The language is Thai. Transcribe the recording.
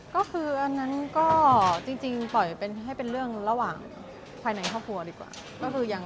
ก็คืออันนั้นก็จริงปล่อยให้เป็นเรื่องระหว่างภายในครอบครัวดีกว่า